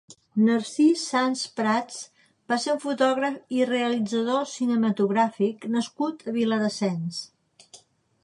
Narcís Sans Prats va ser un fotògraf i realitzador cinematogràfic nascut a Viladasens.